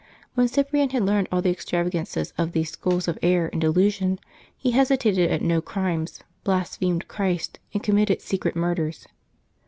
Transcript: When Cyprian had learned all the extravagances of these schools of error and delusion, he hesitated at no crimes, blasphemed Christ, and committed secret murders.